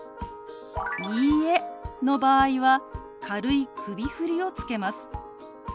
「いいえ」の場合は軽い首振りをつけます。